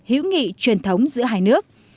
hữu nghị truyền thống giữa hai nước